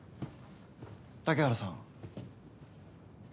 竹原さん。